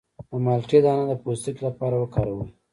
د مالټې دانه د پوستکي لپاره وکاروئ